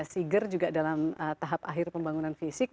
siger juga dalam tahap akhir pembangunan fisik